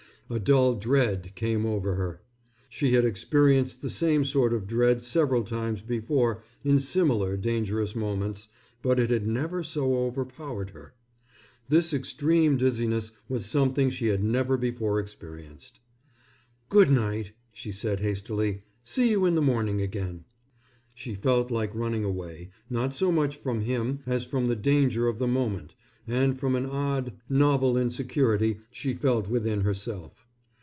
A dull dread came over her. She had experienced the same sort of dread several times before in similar dangerous moments, but it had never so overpowered her. This extreme dizziness was something she had never before experienced. "Good night," she said hastily. "See you in the morning again." She felt like running away, not so much from him as from the danger of the moment and from an odd, novel insecurity she felt within herself.